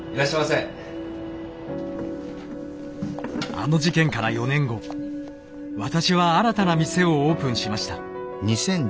あの事件から４年後私は新たな店をオープンしました。